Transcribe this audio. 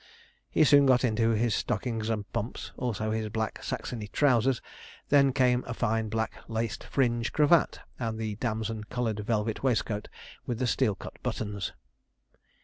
He soon got into his stockings and pumps, also his black Saxony trousers; then came a fine black laced fringe cravat, and the damson coloured velvet waistcoat with the cut steel buttons.